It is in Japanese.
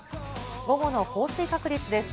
午後の降水確率です。